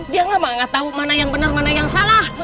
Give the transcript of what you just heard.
dia gak mau tau mana yang benar mana yang salah